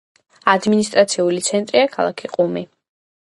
ადმინისტრაციული ცენტრია ქალაქი ყუმი.